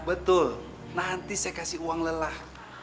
betul nanti saya kasih uang lelah